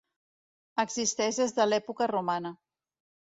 Existeix des de l'època romana.